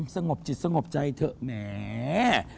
สงบจิตสงบใจเถอะแหม